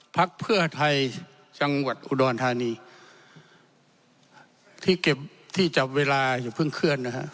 พักเพื่อไทยจังหวัดอุดรธานีที่เก็บที่จับเวลาอย่าเพิ่งเคลื่อนนะฮะ